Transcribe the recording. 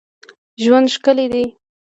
ژوند ښکلی دئ.